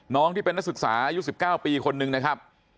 น้องที่เป็นนักศึกษาอายุ๑๙ปีคนนึงนะครับ